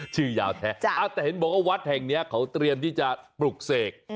ชื่อยาวแท้แต่เห็นบอกว่าวัดแห่งนี้เขาเตรียมที่จะปลุกเสก